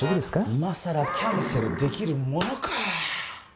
今更キャンセルできるものか